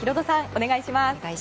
お願いします。